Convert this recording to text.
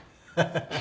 ハハハ。